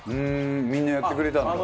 みんなやってくれたんだ。